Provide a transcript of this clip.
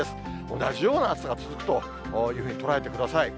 同じような暑さが続くというふうに捉えてください。